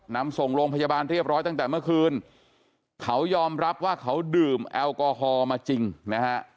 นำส่งโรงพยาบาลเรียบร้อยตั้งแต่เมื่อคืนเขายอมรับว่าเขาดื่มแอลกอฮอลมาจริงนะฮะ